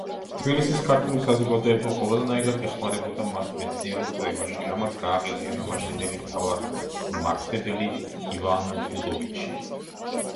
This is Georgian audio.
თბილისის ქართული საზოგადოება ყოველნაირად ეხმარებოდა მას მეცნიერულ კვლევაში, რამაც გააღიზიანა მაშინდელი მთავარმართებელი ივან გუდოვიჩი.